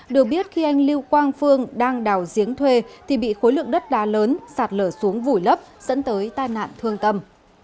được biết khi anh lưu quang phương đang đào giếng thuê thì bị khối lượng đất đá lớn sạt lở xuống vùi lấp dẫn tới tai nạn thương tâm